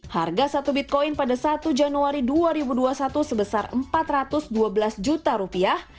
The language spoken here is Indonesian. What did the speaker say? harga satu bitcoin pada satu januari dua ribu dua puluh satu sebesar empat ratus dua belas juta rupiah